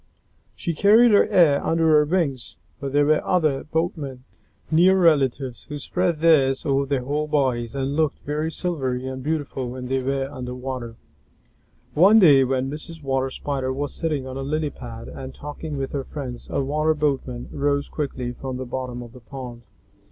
She carried her air under her wings, but there were other Water Boatmen, near relatives, who spread theirs over their whole bodies, and looked very silvery and beautiful when they were under water. One day, when Mrs. Water Spider was sitting on a lily pad and talking with her friends, a Water Boatman rose quickly from the bottom of the pond.